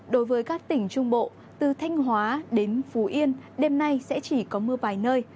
đối với các tỉnh trung bộ từ thanh hóa đến phú yên đêm nay sẽ chỉ có mưa vài nơi